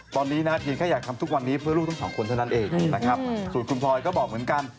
ซึ่งเทียนก็อยากทำสู้กวันนี้เพื่อลูกต้องสาวคนเท่านั้นเองนะครับสูตรคุณพลอยก็บอกเหมือนกัน